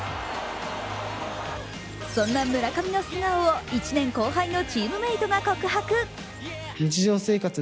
そんな村上の素顔を１年後輩のチームメイトが告白。